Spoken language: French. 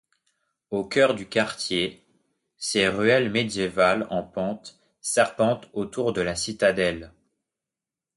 Au cœur du quartier, ses ruelles médiévales en pente serpentent autour de la citadelle.